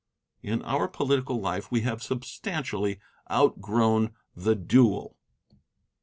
In our political life we have substantially outgrown the duel.